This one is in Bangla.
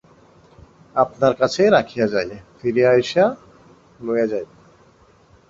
আপনার কাছেই রাখিয়া যাই, ফিরিয়া আসিয়া লইয়া যাইব।